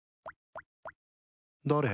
誰？